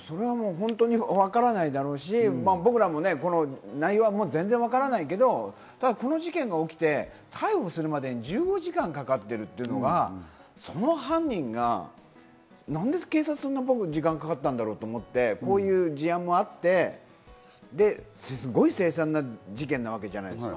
本当にわからないだろうし、僕らも内容は全然わからないけど、この事件が起きて逮捕するまでに１５時間かかってるっていうのがその犯人が何で警察、そんな時間かかったんだろうと思って、こういう事案もあって、すごい凄惨な事件なわけじゃないですか。